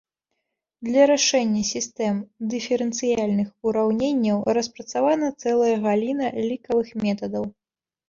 Для рашэння сістэм дыферэнцыяльных ураўненняў распрацавана цэлая галіна лікавых метадаў.